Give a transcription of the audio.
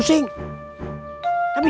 sebuang k rehear